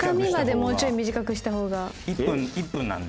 「１分１分なんで」。